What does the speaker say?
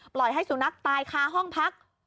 ให้สุนัขตายค้าห้องพัก